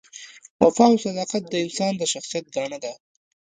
وفا او صداقت د انسان د شخصیت ګاڼه ده.